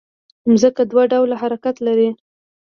ځمکه دوه ډوله حرکت لري